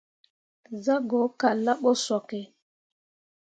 Zah go kallahvd̃ǝǝ ɓo sooke.